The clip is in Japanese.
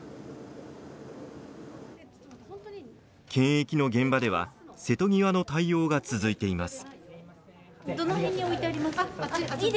検疫の現場では瀬戸際の対応が続いています。